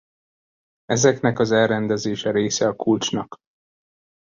Ezeknek az elrendezése része a kulcsnak.